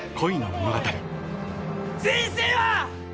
「人生は」